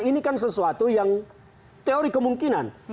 ini kan sesuatu yang teori kemungkinan